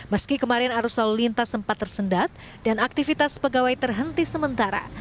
meski kemarin arus lalu lintas sempat tersendat dan aktivitas pegawai terhenti sementara